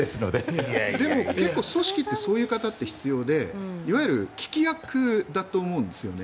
でも結構組織ってそういう方が必要でいわゆる聞き役だと思うんですよね。